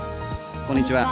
こんにちは。